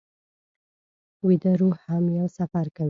ویده روح هم یو سفر کوي